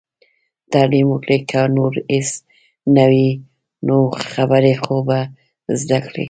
تعليم وکړئ! که نور هيڅ نه وي نو، خبرې خو به زده کړي.